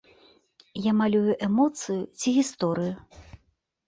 Я малюю эмоцыю ці гісторыю.